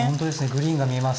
グリーンが見えます。